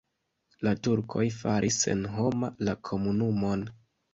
La turkoj faris senhoma la komunumon.